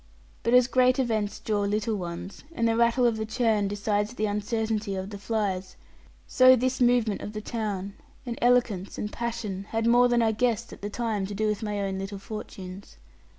But as great events draw little ones, and the rattle of the churn decides the uncertainty of the flies, so this movement of the town, and eloquence, and passion had more than I guessed at the time, to do with my own little fortunes.